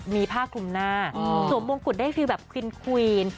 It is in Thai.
มีผ้าคลุมหน้าสวมมงกุฎได้ฟิลแบบควีน